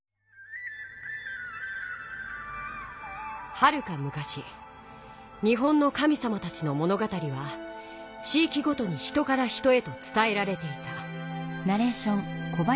はるかむかし日本の神さまたちのもの語は地いきごとに人から人へとつたえられていた。